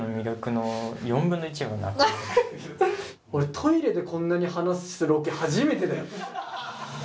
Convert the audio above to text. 俺トイレでこんなに話すロケ初めてだよ。